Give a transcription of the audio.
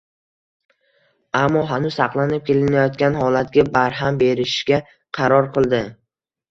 ammo hanuz saqlanib kelayotgan holatga barham berishga qaror qildi.